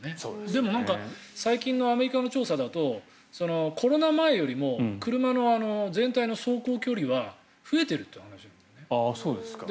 でも、最近のアメリカの調査だとコロナ前よりも車の全体の走行距離は増えているという話なんだよね。